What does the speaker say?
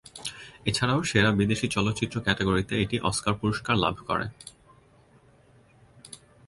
এছাড়াও সেরা বিদেশি চলচ্চিত্র ক্যাটাগরিতে এটি অস্কার পুরস্কার লাভ করে।